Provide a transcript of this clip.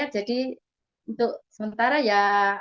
jadi untuk sementara ya